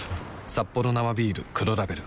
「サッポロ生ビール黒ラベル」